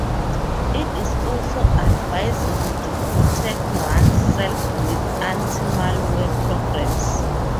It is also advisable to protect oneself with anti-malware programs.